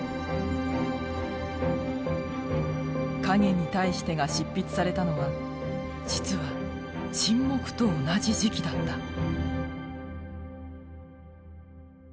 「影に対して」が執筆されたのは実は「沈黙」と同じ時期だった。